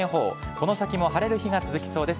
この先も晴れる日が続きそうです。